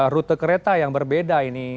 rute kereta yang berbeda ini